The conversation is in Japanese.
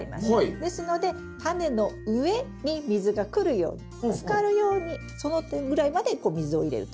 ですのでタネの上に水が来るようにつかるようにそのぐらいまでこう水を入れるという。